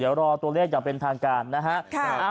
เดี๋ยวรอตัวเลขอย่างเป็นทางการนะฮะ